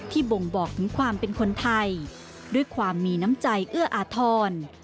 บ่งบอกถึงความเป็นคนไทยด้วยความมีน้ำใจเอื้ออาทร